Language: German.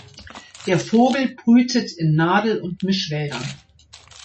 Der Vogel brütet in Nadel- und Mischwäldern.